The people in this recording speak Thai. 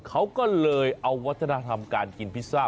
เขาก็เลยเอาวัฒนธรรมการกินพิซซ่า